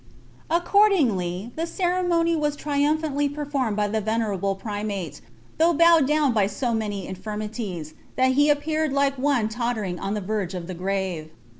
Accordin|ily, the reremony was iriumphanily perfurmR] by ihe venerable primate, thuiigh bowed down by bo many infirmiiuf. that he a[ipeared like one loilering on ihe verge of the grave.